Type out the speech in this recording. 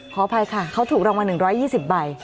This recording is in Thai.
ขออภัยค่ะเขาถูกรางวัล๑๒๐ใบ